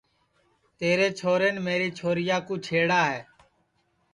تیرے چھورین میری چھوریا کُو چھیڑا ہے